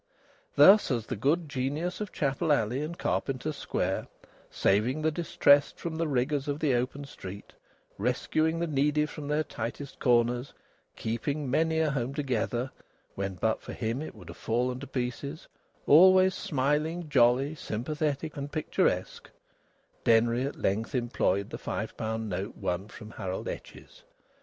Thus, as the good genius of Chapel Alley and Carpenter's Square, saving the distressed from the rigours of the open street, rescuing the needy from their tightest corners, keeping many a home together when but for him it would have fallen to pieces always smiling, jolly, sympathetic, and picturesque Denry at length employed the five pound note won from Harold Etches.